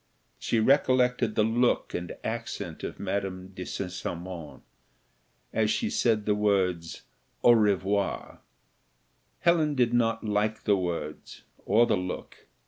She recollected the look and accent of Madame de St. Cymon, as she said the words "au revoir." Helen did not like the words, or the look.